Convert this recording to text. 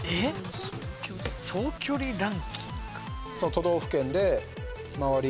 都道府県で周り